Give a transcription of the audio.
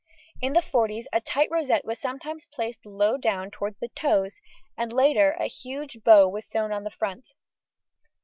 In the forties a tight rosette was sometimes placed low down towards the toes, and later, a huge bow was sewn on the front.